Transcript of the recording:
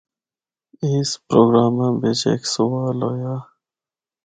اُس پروگراما بچ ہک سوال ہویا۔